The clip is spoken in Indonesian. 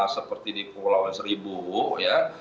seperti di kepulauan seribu ya